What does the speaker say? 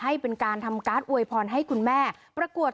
ให้เป็นการทำการ์ดอวยพรให้คุณแม่ประกวด